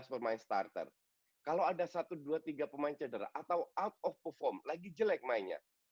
kalau ada lima belas pemain starter kalau ada satu dua tiga pemain cederah atau out of perform lagi jelek mainnya